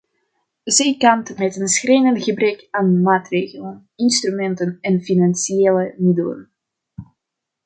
Zij kampt met een schrijnend gebrek aan maatregelen, instrumenten en financiële middelen.